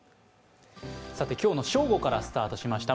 今日の正午からスタートしました